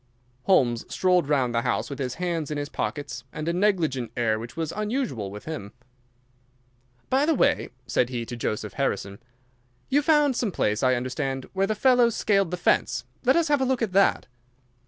Holmes strolled round the house with his hands in his pockets and a negligent air which was unusual with him. "By the way," said he to Joseph Harrison, "you found some place, I understand, where the fellow scaled the fence. Let us have a look at that!"